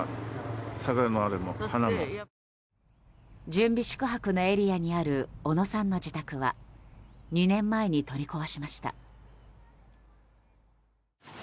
準備宿泊のエリアにある小野さんの自宅は２年前に取り壊しました。